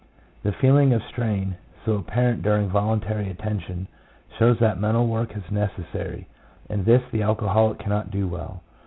The feeling of strain, so apparent during voluntary attention, shows that mental work is neces sary, and this the alcoholic cannot well do.